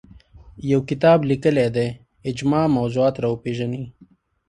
یو کتاب لیکلی دی اجماع موضوعات راوپېژني